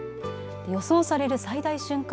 予想される最大瞬間